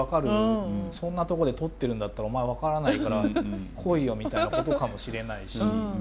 そんなとこで撮ってるんだったらお前分からないから来いよ」みたいなことかもしれないし。